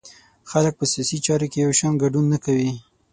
خلک په سیاسي چارو کې یو شان ګډون نه کوي.